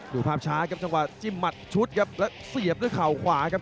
ดูภาพช้าครับจังหวะจิ้มหมัดชุดครับแล้วเสียบด้วยเข่าขวาครับ